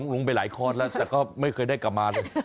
ลงไปหลายคลอดแล้วแต่ก็ไม่เคยได้กลับมาเลย